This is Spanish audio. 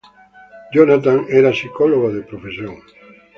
Jonathan es psicólogo de profesión.